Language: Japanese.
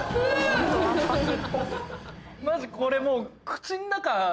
マジこれもう。